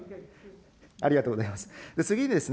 ありがとうございます。